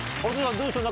どうでしょう？